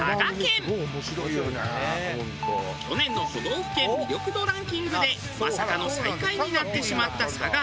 去年の都道府県魅力度ランキングでまさかの最下位になってしまった佐賀。